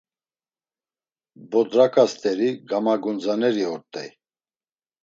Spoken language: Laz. Bodraǩa st̆eri gamagundzaneri ort̆ey.